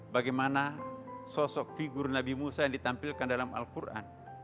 bagaimana sosok figur nabi musa yang ditampilkan dalam al quran